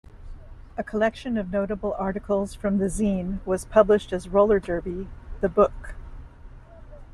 A collection of notable articles from the zine was published as "Rollerderby: The Book".